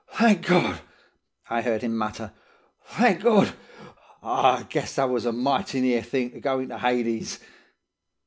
"'Thank God!' I heard him mutter. 'Thank God! I guess that was a mighty near thing to going to Hades.